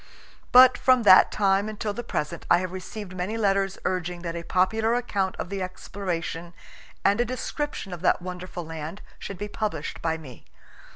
But from that time until the present I have received many letters urging that a popular account of the exploration and a description of that wonderful land should be published by me.